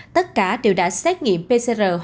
tất cả đều đã xét nghiệm pcr hoặc xét nghiệm nhanh